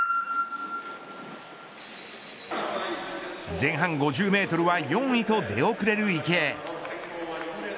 前半５０メートルは４位と出遅れる池江。